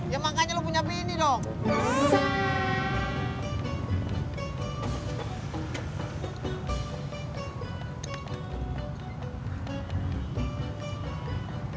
ya makanya lu punya bini dong